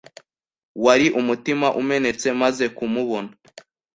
wari umutima umenetse mazekumubona